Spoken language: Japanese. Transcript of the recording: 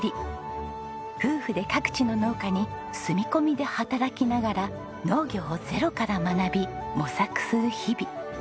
夫婦で各地の農家に住み込みで働きながら農業をゼロから学び模索する日々。